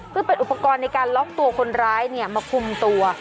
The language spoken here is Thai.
เพื่อเป็นอุปกรณ์ในการล็อกตัวคนร้ายมาคุมตัว